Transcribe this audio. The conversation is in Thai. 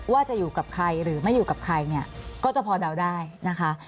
ว่าจะอยู่กับใครหรือไม่อยู่กับใครเนี่ยก็จะพอเดาได้นะคะ